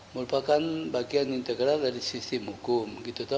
merupakan bagian integral dari sistem hukum